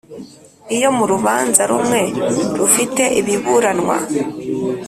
Iyo mu rubanza rumwe rufite ibiburanwa